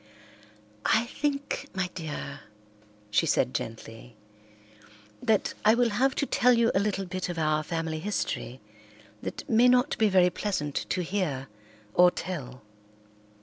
"I think, my dear," she said gently, "that I will have to tell you a little bit of our family history that may not be very pleasant to hear or tell.